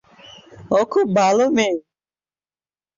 ও খুব ভালো মেয়ে।